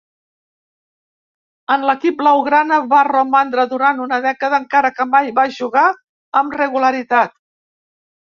En l'equip blaugrana va romandre durant una dècada, encara que mai va jugar amb regularitat.